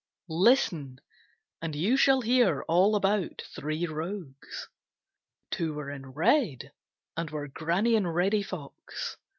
Listen and you shall hear all about three rogues. Two were in red and were Granny and Reddy Fox.